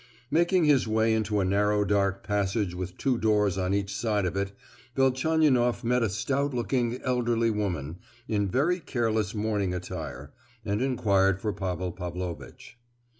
Making his way into a narrow dark passage with two doors on each side of it, Velchaninoff met a stout looking, elderly woman, in very careless morning attire, and inquired for Pavel Pavlovitch.